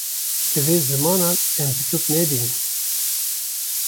Divê zimanan em piçûk nebînin